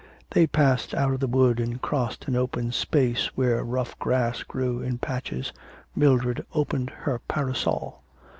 They passed out of the wood and crossed an open space where rough grass grew in patches. Mildred opened her parasol.